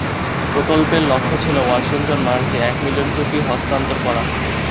প্রকল্পের লক্ষ্য ছিল ওয়াশিংটন মার্চে এক মিলিয়ন টুপি হস্তান্তর করা।